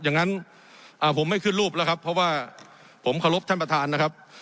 อย่างนั้นผมไม่ขึ้นรูปแล้วครับเพราะว่าผมเคารพท่านประธานนะครับ